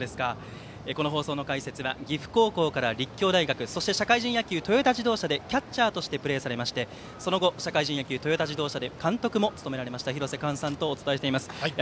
この放送の解説は岐阜高校から立教大学そして社会人野球トヨタ自動車でキャッチャーとしてプレーされその後、社会人野球トヨタ自動車で監督も務められました廣瀬寛さんとお伝えしています。